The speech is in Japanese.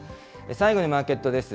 最後にマーケットです。